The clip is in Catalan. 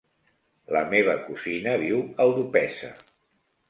La meva cosina viu a Orpesa.